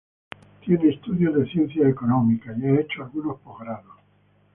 Tiene estudios de Ciencias Económicas y ha hecho algunos posgrados.